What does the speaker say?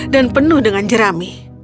dan penuh dengan jerami